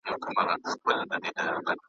د حقوق پوهنځي ونه لوستله .